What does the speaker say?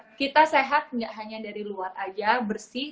jadi biar kita sehat nggak hanya dari luar aja bersih